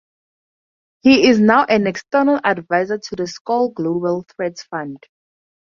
He is now an external adviser to the Skoll Global Threats Fund.